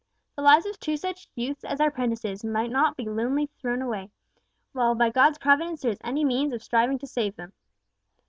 The lives of two such youths as our prentices may not lightly be thrown away, while by God's providence there is any means of striving to save them."